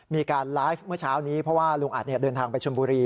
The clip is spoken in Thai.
มีการไลฟ์เมื่อเช้านี้เพราะว่าลุงอัดเดินทางไปชนบุรี